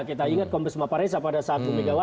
kita ingat kompes maparesa pada saat umur satu mw